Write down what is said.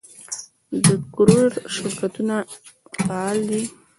د کوریر شرکتونه فعال دي؟